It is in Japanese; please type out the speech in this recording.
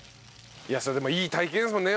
それでもいい体験ですもんね